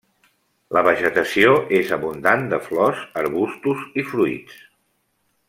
La vegetació és abundant de flors, arbustos i fruits.